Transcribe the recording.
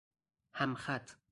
همخط